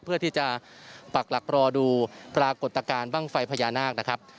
เพื่อที่จะปักหลักรอดูปรากฏการณ์บ้างไฟพญานาคนะครับ